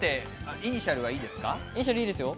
イニシャルはいいですか？